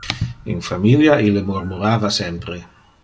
In familia ille murmurava sempre.